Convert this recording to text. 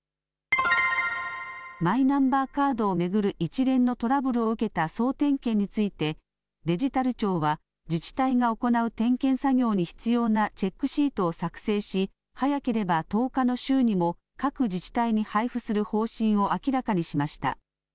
マイナンバーカードを巡る一連のトラブルを受けた総点検についてデジタル庁は自治体が行う点検作業に必要なチェックシートを作成し早ければ１０日の週にも各自治体に配布する方針を明らかにしました。